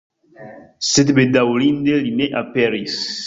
Sed bedaŭrinde li ne aperis.